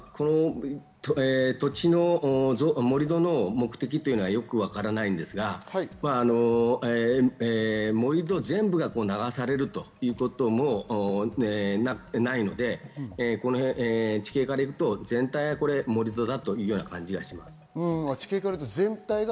盛り土の目的はよく分からないんですが、盛り土全部が流されるということもないので、地形から行くと全体が盛り土だというような感じがします。